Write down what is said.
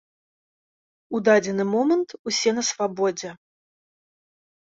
У дадзены момант усе на свабодзе.